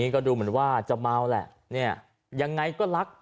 ก็ดูเหมือนว่าจะเมาแหละเนี่ยยังไงก็รัก